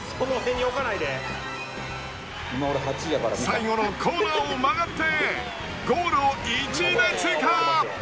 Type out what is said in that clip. ［最後のコーナーを曲がってゴールを１位で通過！］